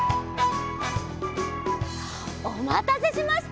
おまたせしました。